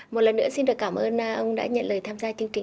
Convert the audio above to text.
một lần nữa xin được cảm ơn ông đã nhận lời tham gia chương kỳ